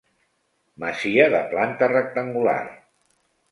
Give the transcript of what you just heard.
Masia de planta rectangular.